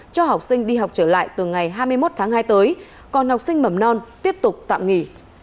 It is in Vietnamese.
cho học sinh đi học trở lại từ ngày hai mươi một tháng hai tới còn học sinh mầm non tiếp tục tạm nghỉ